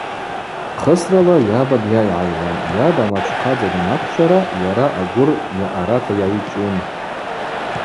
Хысрала йаба дйайгӏайуан: йаба амачвхъаза данаквшвара йара агвыр йаъарата йагӏвичӏвун.